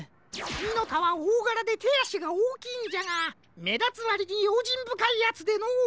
ミノタはおおがらでてあしがおおきいんじゃがめだつわりにようじんぶかいやつでのう。